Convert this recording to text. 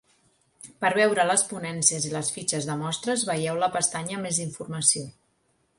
Per veure les ponències i les fitxes de mostres vegeu la pestanya Més informació.